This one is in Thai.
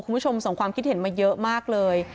คุณผู้ชมส่งความคิดเห็นมาเยอะมากเลย